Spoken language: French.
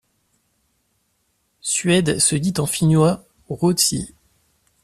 Suède se dit en finnois Ruotsi.